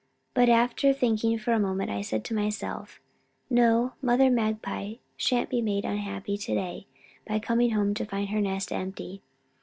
"But after thinking for a moment I said to myself, 'No, mother magpie sha'n't be made unhappy to day by coming home to find her nest empty.'